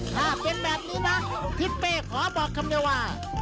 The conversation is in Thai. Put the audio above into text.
ถ้าเป็นแบบนี้นะทิศเป้ขอบอกคำเดียวว่า